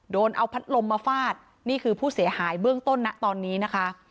โดนเอาพัดลมมาฟาดนี่คือผู้เสียหายเบื้องต้นนะตอนนี้นะคะ